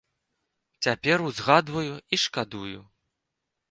Цяпер узгадваю і шкадую.